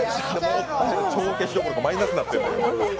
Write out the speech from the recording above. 帳消しというよりマイナスになってる。